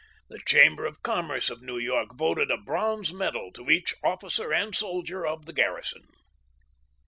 The Chamber of Commerce of New York voted a bronze medal to each officer and soldier of the garrison.